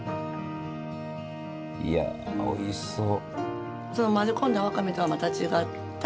いやおいしそう。